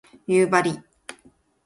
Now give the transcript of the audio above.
夕張